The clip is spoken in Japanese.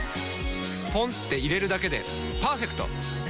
ポンって入れるだけでパーフェクト！